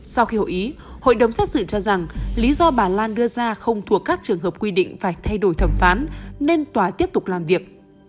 sau khi hội ý hội đồng xét xử cho rằng lý do bà lan đưa ra không thuộc các trường hợp quy định phải thay đổi thẩm phán nên tòa tiếp tục làm việc